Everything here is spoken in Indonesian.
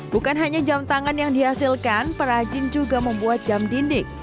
bukan hanya jam tangan yang dihasilkan perajin juga membuat jam dinding